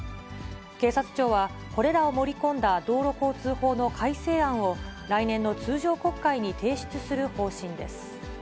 警察庁は、これらを盛り込んだ道路交通法の改正案を来年の通常国会に提出す